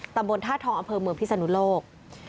ตำบลท่าทองอำเภอเมืองพิศนุโลก